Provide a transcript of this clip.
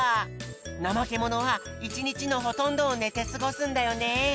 ナマケモノはいちにちのほとんどをねてすごすんだよね。